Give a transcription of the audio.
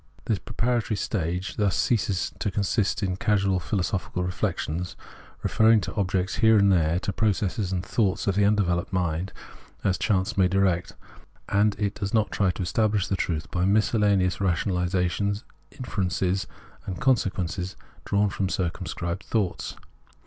This preparatory stage thus ceases to consist of casual philosophical reflections, referring to objects here and there, to pro cesses and thoughts of the undeveloped mind as chance may direct ; and it does not try to estabhsh the truth by miscellaneous ratiocinations, inferences, and con sequences drawn from circimiscribed thoughts.